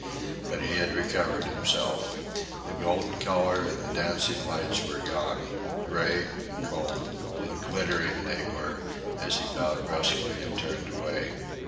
But he had recovered himself. The golden colour and the dancing lights were gone. Cold and grey and glittering they were as he bowed brusquely and turned away.